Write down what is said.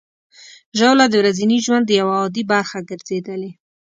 ژاوله د ورځني ژوند یوه عادي برخه ګرځېدلې.